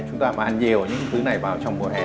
chúng ta phải ăn nhiều những thứ này vào trong mùa hè